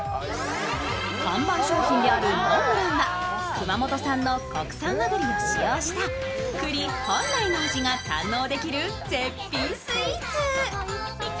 看板商品であるモンブランは熊本産の国産和栗を使用した栗本来の味が堪能できる絶品スイーツ。